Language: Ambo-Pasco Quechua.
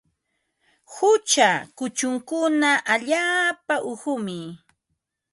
Qucha kuchunkuna allaapa uqumi.